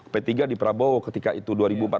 p tiga di prabowo ketika itu